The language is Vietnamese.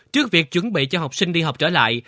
trước việc chuẩn bị cho học sinh đi học trở lại